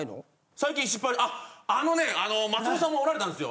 最近失敗あっあのね松本さんもおられたんですよ。